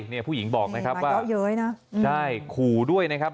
เนี่ยผู้หญิงบอกนะครับว่ายนะใช่ขู่ด้วยนะครับ